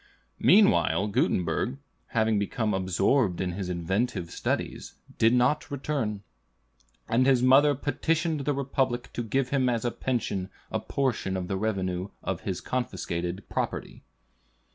Meanwhile Gutenberg, having become absorbed in his inventive studies, did not return; and his mother petitioned the Republic to give him as a pension a portion of the revenue of his confiscated property.